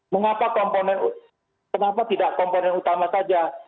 mengapa komponen kenapa tidak komponen utama saja